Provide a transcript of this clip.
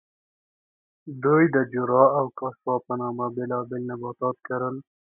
دوی د جورا او کاساوا په نامه بېلابېل نباتات کرل.